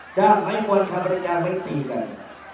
จ้ามไว้วนขับบริการไว้ตีกัน